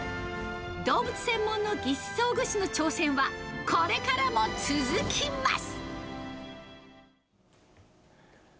動物専門の義肢装具士の挑戦は、これからも続きます。